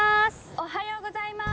「おはようございます」。